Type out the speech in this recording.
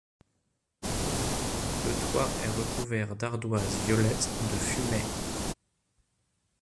Le toit est recouvert d'ardoises violettes de Fumay.